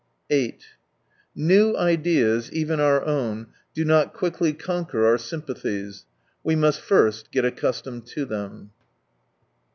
8 New ideas, even our own, do not quickly conquer our sympathies. We must first get accustomed to them.